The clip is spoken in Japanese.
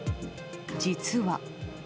実は。